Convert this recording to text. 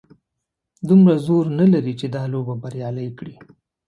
دومره زور نه لري چې دا لوبه بریالۍ کړي.